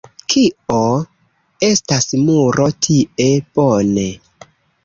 Kio? Estas muro tie. Bone.